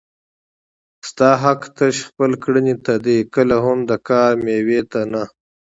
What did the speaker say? ستا حق تش خپل کړنې ته دی کله هم د کار مېوې ته نه